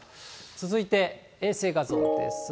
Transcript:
続いて衛星画像です。